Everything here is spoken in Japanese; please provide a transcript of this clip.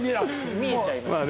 見えちゃいます。